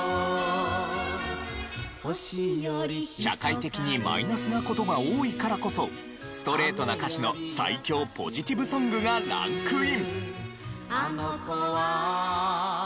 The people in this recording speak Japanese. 社会的にマイナスな事が多いからこそストレートな歌詞の最強ポジティブソングがランクイン。